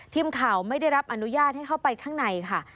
ไม่ได้รับอนุญาตให้เข้าไปข้างในค่ะ